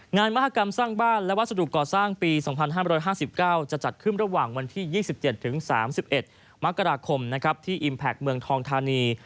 มหากรรมสร้างบ้านและวัสดุก่อสร้างปี๒๕๕๙จะจัดขึ้นระหว่างวันที่๒๗๓๑มกราคมที่อิมแพคเมืองทองธานี